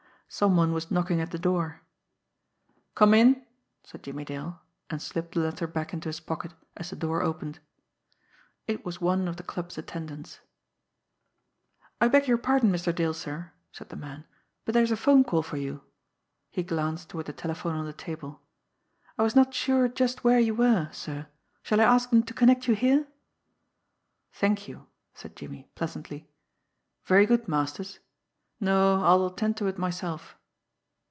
Some one was knocking at the door. "Come in!" said Jimmie Dale and slipped the letter back into his pocket, as the door opened. It was one of the club's attendants. "I beg pardon, Mr. Dale, sir," said the man; "but there is a 'phone call for you." He glanced toward the telephone on the table. "I was not sure just where you were, sir. Shall I ask them to connect you here?" "Thank you!" said Jimmie pleasantly. "Very good, Masters. No I'll attend to it myself."